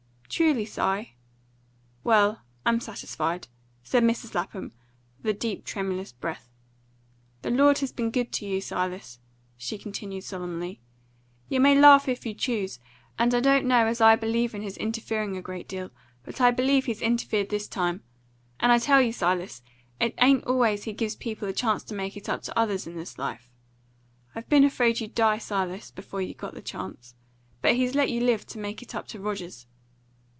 "Truly, Si? Well, I'm satisfied," said Mrs. Lapham, with a deep tremulous breath. "The Lord has been good to you, Silas," she continued solemnly. "You may laugh if you choose, and I don't know as I believe in his interfering a great deal; but I believe he's interfered this time; and I tell you, Silas, it ain't always he gives people a chance to make it up to others in this life. I've been afraid you'd die, Silas, before you got the chance; but he's let you live to make it up to Rogers."